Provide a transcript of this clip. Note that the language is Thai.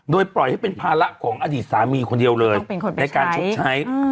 โดยปล่อยให้เป็นภาระของอดีตสามีคนเดียวเลยต้องเป็นคนไปใช้ในการชกใช้